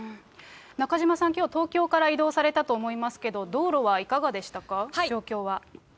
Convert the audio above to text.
中島さん、きょう、東京から移動されたと思いますけど、道路はいかがでしたか、状況は。